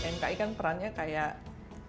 mki kan perannya kayak kompor ya ngomporin gitu ya